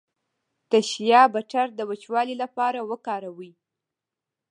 د شیا بټر د وچوالي لپاره وکاروئ